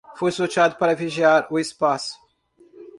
Foi sorteado para viajar ao espaço